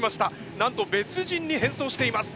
なんと別人に変装しています。